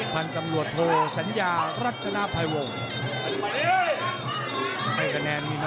พันธุ์ตำรวจโทสัญญารัฐนาภัยวงศ์